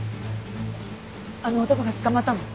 あの男が捕まったの？